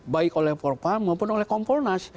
baik oleh propam maupun oleh kompolnas